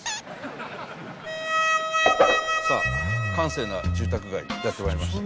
さあ閑静な住宅街にやってまいりました。